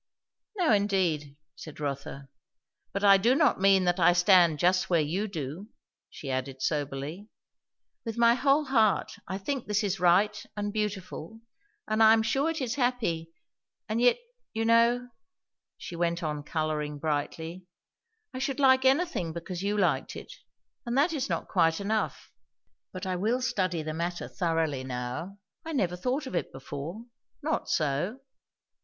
"No, indeed," said Rotha. "But I do not mean that I stand just where you do," she added soberly. "With my whole heart I think this is right and beautiful, and I am sure it is happy; and yet, you know," she went on colouring brightly, "I should like anything because you liked it; and that is not quite enough. But I will study the matter thoroughly now. I never thought of it before not so."